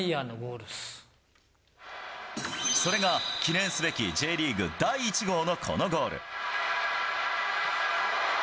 それが、記念すべきＪリーグ第１号のこのゴール。